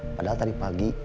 padahal tadi pagi